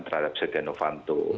terhadap setia novanto